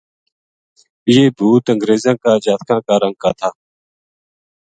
یہ بھُوت انگریزاں کا جاتکاں کا رنگ کا تھا